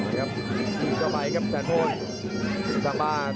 พยายามจะตีจิ๊กเข้าที่ประเภทหน้าขาครับ